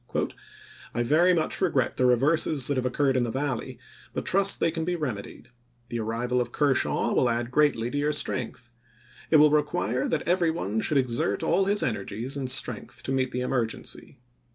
" I very much regret the reverses that have occurred in the Valley, but trust they can be rem edied. The arrival of Kershaw will add greatly to your strength. .. It will require that every one should exert all his energies and strength to meet the emergency.